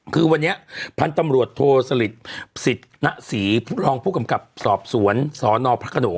คือวันนี้พันธุ์ตำรวจโทรศริษฐ์สิทธิ์หน้าศรีพุทธรองผู้กำกับสอบสวนสนพระโขนง